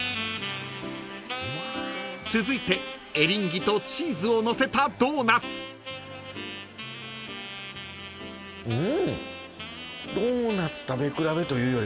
［続いてエリンギとチーズをのせたドーナツ］ん。